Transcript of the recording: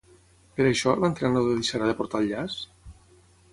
Per això, l'entrenador deixarà de portar el llaç?